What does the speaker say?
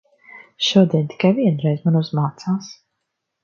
Šodien tikai vienreiz man uzmācās.